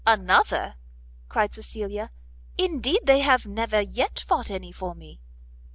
"Another?" cried Cecilia; "indeed they have never yet fought any for me."